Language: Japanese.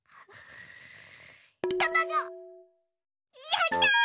やった！